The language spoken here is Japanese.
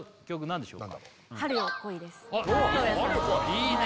いいね